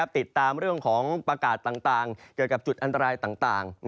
ติดตามเรื่องของประกาศต่างเกี่ยวกับจุดอันตรายต่าง